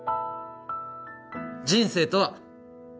人生とは